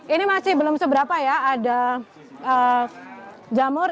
ini masih belum seberapa ya ada jamur